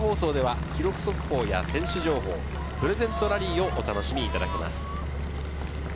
データ放送では記録速報や選手情報、プレゼントラリーをお楽しみいただけます。